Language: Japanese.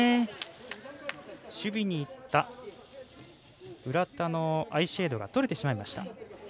守備にいった浦田のアイシェードが取れてしまいました。